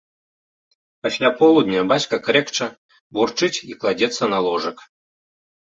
Пасля полудня бацька крэкча, бурчыць і кладзецца на ложак.